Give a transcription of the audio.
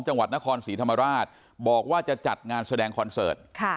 จังหวัดนครศรีธรรมราชบอกว่าจะจัดงานแสดงคอนเสิร์ต